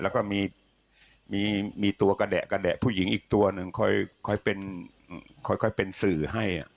แล้วก็มีตัวกระแดะกระแดะผู้หญิงอีกตัวหนึ่งค่อยเป็นสื่อให้